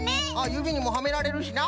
ゆびにもはめられるしな！